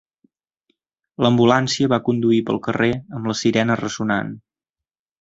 L'ambulància va conduir pel carrer amb la sirena ressonant.